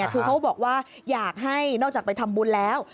คือเขาบอกว่าอยากให้นอกจากไปทำบุญแล้ว